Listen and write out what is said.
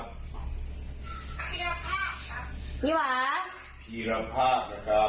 พีราภาครับ